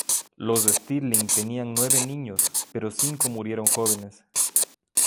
Los Stirling tenían nueve niños pero cinco murieron jóvenes.